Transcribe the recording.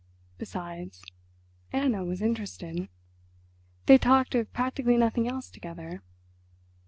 Besides, Anna was interested—they talked of practically nothing else together.